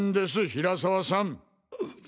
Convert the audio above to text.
平沢さん。